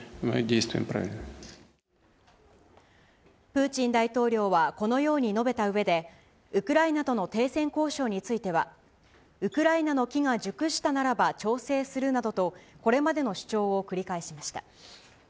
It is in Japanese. プーチン大統領はこのように述べたうえで、ウクライナとの停戦交渉については、ウクライナの機が熟したならば調整するなどと、これまでの主張を繰り返しました。